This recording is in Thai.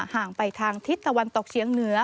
ห่างไปทางทิศตะวันตกเฉียงเหนือ